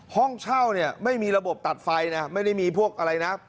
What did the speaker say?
ห้องเช่าเนี่ยไม่มีระบบตัดไฟนะไม่ได้มีพวกอะไรนะ